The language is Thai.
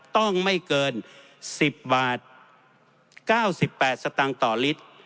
ต้องไม่เกิน๑๐บาท๙๘สตางค์ต่อลิตร